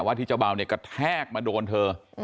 ว่าที่เจ้าเบ่าก็แทกมาโดนเธอ